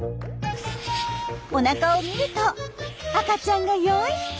おなかを見ると赤ちゃんが４匹。